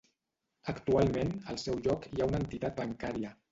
Actualment, al seu lloc hi ha una entitat bancària.